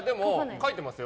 書いてますよ